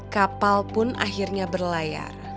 kapal pun akhirnya berlayar